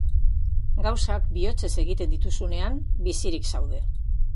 Gauzak bihotzez egiten dituzunean, bizirik zaude.